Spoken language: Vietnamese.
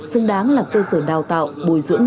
xứng đáng là cơ sở đào tạo bồi dưỡng